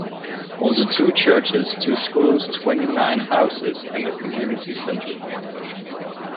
Also two churches, two schools, twenty-nine houses, and a community centre.